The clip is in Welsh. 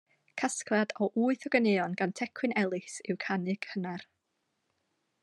Casgliad o wyth o ganeuon gan Tecwyn Ellis yw Canu Cynnar.